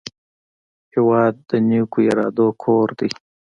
هېواد د نیکو ارادو کور دی.